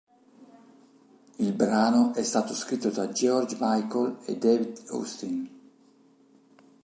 Il brano è stato scritto da George Michael e David Austin.